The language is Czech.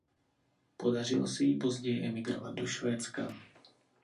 Podařilo se jí později emigrovat do Švédska.